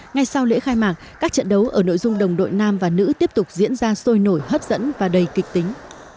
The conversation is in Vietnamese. ngay sau lễ khai mạc các trận đấu ở nội dung đồng đội nam và nữ tiếp tục diễn ra sôi nổi hấp dẫn và đầy kịch tính